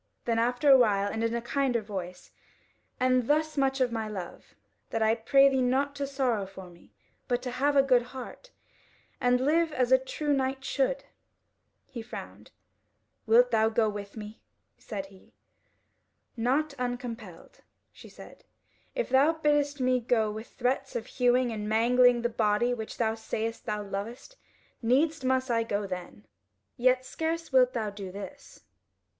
Then after a while, and in a kinder voice: "And thus much of my love, that I pray thee not to sorrow for me, but to have a good heart, and live as a true knight should." He frowned: "Wilt thou not go with me?" said he. "Not uncompelled," she said: "if thou biddest me go with threats of hewing and mangling the body which thou sayest thou lovest, needs must I go then. Yet scarce wilt thou do this."